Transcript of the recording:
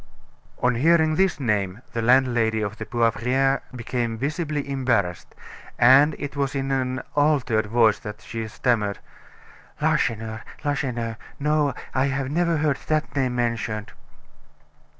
On hearing this name, the landlady of the Poivriere became visibly embarrassed, and it was in an altered voice that she stammered: "Lacheneur! Lacheneur! no, I have never heard that name mentioned."